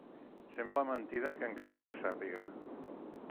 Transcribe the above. Sembla mentida que encara no ho sàpiga.